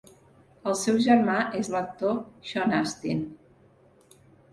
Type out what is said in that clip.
El seu germà és l'actor Sean Astin.